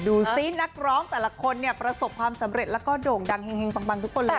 ดูสินักร้องแต่ละคนเนี่ยประสบความสำเร็จแล้วก็โด่งดังแห่งปังทุกคนเลย